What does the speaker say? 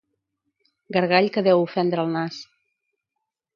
Gargall que deu ofendre el nas.